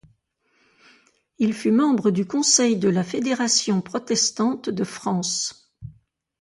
Il fut membre du Conseil de la Fédération protestante de France.